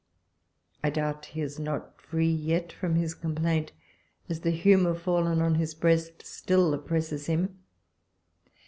I doubt he is not free yet from his complaint, as the humour fallen on his breast still oppresses him.